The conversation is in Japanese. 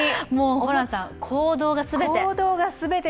ホランさん、行動が全て。